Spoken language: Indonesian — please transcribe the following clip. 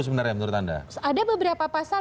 sebenarnya menurut anda ada beberapa pasal